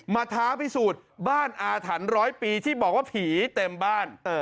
ท้าพิสูจน์บ้านอาถรรพ์ร้อยปีที่บอกว่าผีเต็มบ้าน